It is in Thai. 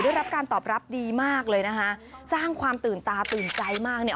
ได้รับการตอบรับดีมากเลยนะคะสร้างความตื่นตาตื่นใจมากเนี่ย